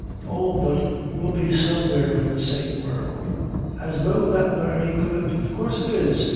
"Oh, but you'll be somewhere in the same world." "As though that were any good." "Of course it is.